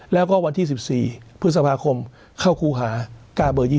แล้วก็วันที่๑๔พฤษภาคมเข้าครูหาก้าเบอร์๒๐